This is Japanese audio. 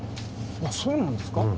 あっそうなんですか？